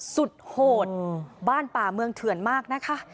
โหดบ้านป่าเมืองเถื่อนมากนะคะ